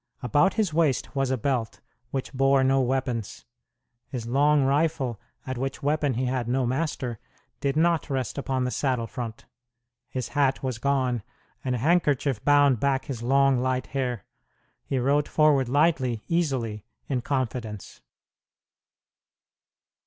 About his waist was a belt, which bore no weapons. His long rifle, at which weapon he had no master, did not rest upon the saddle front. His hat was gone, and a handkerchief bound back his long light hair. He rode forward lightly, easily, in confidence.